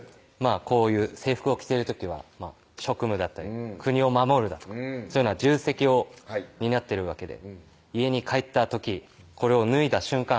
こういう制服を着てる時は職務だったり国を守るだとかそういうような重責を担ってるわけで家に帰った時これを脱いだ瞬間